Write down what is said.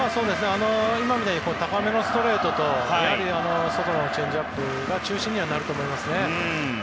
今みたいに高めのストレートと外のチェンジアップが中心にはなると思いますね。